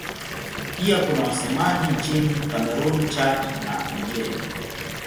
Pia kuna wasemaji nchini Kamerun, Chad na Nigeria.